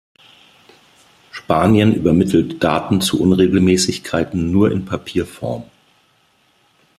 Spanien übermittelt Daten zu Unregelmäßigkeiten nur in Papierform.